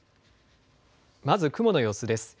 まず雲の様子です。